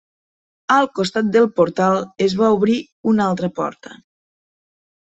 Al costat del portal es va obrir una altra porta.